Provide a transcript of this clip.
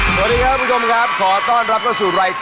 เดือนของผู้ชมที่มีอายุมาก